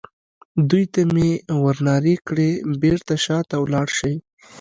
دوی ته مې ور نارې کړې: بېرته شا ته ولاړ شئ.